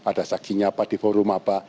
ada saksinya apa di forum apa